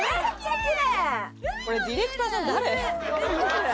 「これディレクターさん誰？」